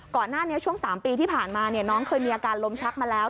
ก่อนหน้านี้ช่วง๓ปีที่ผ่านมาน้องเคยมีอาการลมชักมาแล้ว